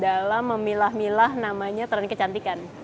dalam memilah milah namanya tren kecantikan